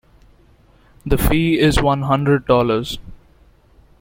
The fee is one hundred dollars.